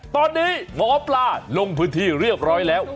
ตอนนี้หมอปลาลงพื้นที่เรียบร้อยแล้ว